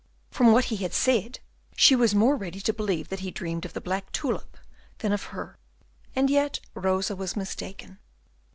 From what he had said she was more ready to believe that he dreamed of the black tulip than of her; and yet Rosa was mistaken.